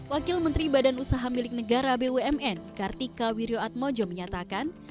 wakil menteri badan usaha milik negara bumn kartika wirjoatmojo menyatakan